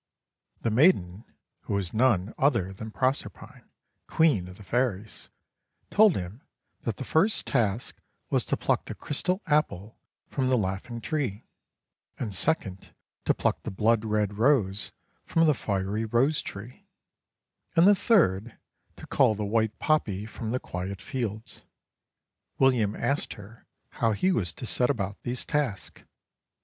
The maiden, who was none other than Proserpine, Queen of the Fairies, told him that the first task was to pluck the crystal apple from the laughing tree, and second to pluck the blood red rose from the fiery rose tree, and the third to cull the white poppy from the quiet fields. William asked her how he was to set about these tasks.